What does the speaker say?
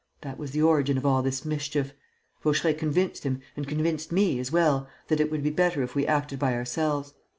That was the origin of all the mischief. Vaucheray convinced him and convinced me as well that it would be better if we acted by ourselves.